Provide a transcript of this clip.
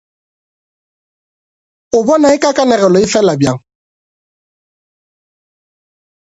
O bona eka kanegelo e fela bjang?